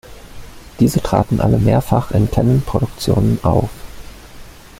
Diese traten alle mehrfach in Cannon-Produktionen auf.